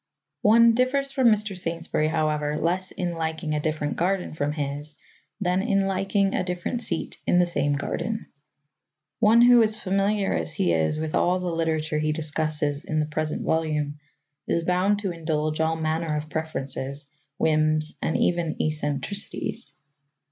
One differs from Mr. Saintsbury, however, less in liking a different garden from his than in liking a different seat in the same garden. One who is familiar as he is with all the literature he discusses in the present volume is bound to indulge all manner of preferences, whims and even eccentricities.